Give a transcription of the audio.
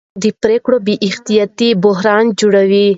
د پرېکړو بې احتیاطي بحران جوړوي